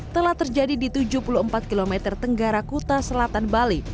telah terjadi di tujuh puluh empat km tenggara kuta selatan bali